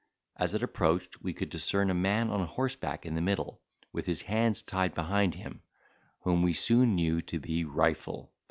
As it approached, we could discern a man on horseback in the middle, with his hands tied behind him, whom we soon knew to be Rifle.